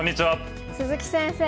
鈴木先生